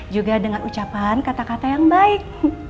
juga dengan ucapan kata kata yang baik